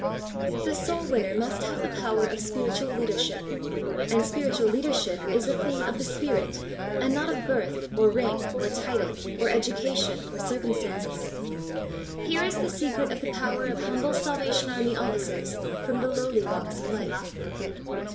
The soul winner must have the power of spiritual leadership, and spiritual leader ship is a thing of the Spirit, and not of birth, or rank, or title, or education, or cir cumstances. Here is the secret of the power of humble Salvation Army officers from the lowly walks of life.